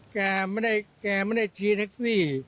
แกไม่ได้ชี้แท็กซี่